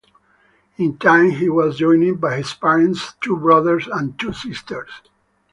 In time he was joined by his parents, two brothers and two sisters.